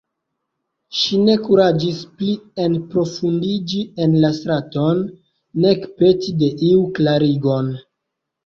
Ŝi ne kuraĝis pli enprofundiĝi en la straton, nek peti de iu klarigon.